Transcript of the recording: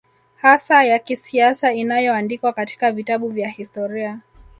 hasa ya kisiasa inayoandikwa katika vitabu vya historia